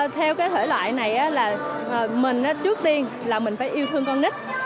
theo cái thể loại này là mình trước tiên là mình phải yêu thương con nít